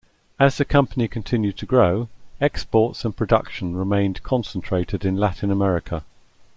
As the company continued to grow, exports and production remained concentrated in Latin America.